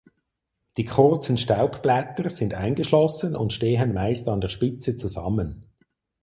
Die kurzen Staubblätter sind eingeschlossen und stehen meist an der Spitze zusammen.